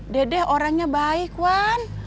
dedeh orangnya baik wan